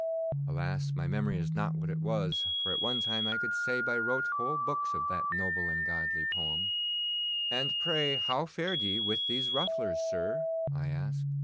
Alas! my memory is not what it was, for at one time I could say by rote whole books of that noble and godly poem.' 'And, pray, how fared ye with these rufflers, sir?' I asked.